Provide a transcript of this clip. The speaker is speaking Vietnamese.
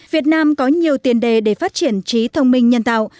việt nam có nhiều tiền đề để phát triển trí thông minh nhân tạo